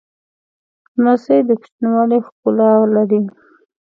لمسی د کوچنیوالي ښکلا لري.